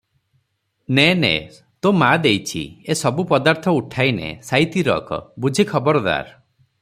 ନେ ନେ, ତୋ ମା ଦେଇଛି, ଏ ସବୁ ପଦାର୍ଥ ଉଠାଇ ନେ, ସାଇତି ରଖ, ବୁଝି ଖବରଦାର!